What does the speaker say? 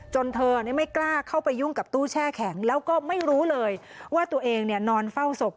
เธอไม่กล้าเข้าไปยุ่งกับตู้แช่แข็งแล้วก็ไม่รู้เลยว่าตัวเองนอนเฝ้าศพ